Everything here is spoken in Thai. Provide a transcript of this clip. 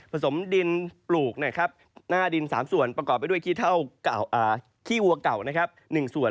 สมดินปลูกหน้าดิน๓ส่วนประกอบไปด้วยขี้เท่าขี้วัวเก่า๑ส่วน